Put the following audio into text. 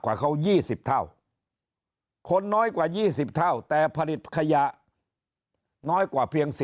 กว่าเขา๒๐เท่าคนน้อยกว่า๒๐เท่าแต่ผลิตขยะน้อยกว่าเพียง